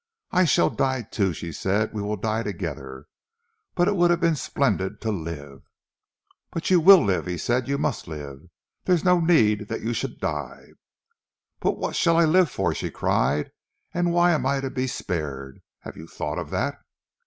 "I shall die too!" she said. "We will die together but it would have been splendid to live." "But you will live," he said. "You must live. There is no need that you should die." "But what shall I live for?" she cried. "And why am I to be spared? Have you thought of that?"